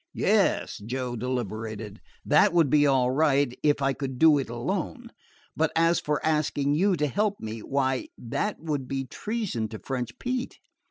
"Yes," Joe deliberated; "that would be all right if I could do it alone. But as for asking you to help me why, that would be treason to French Pete."